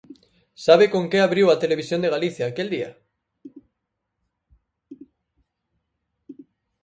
¿Sabe con que abriu a Televisión de Galicia aquel día?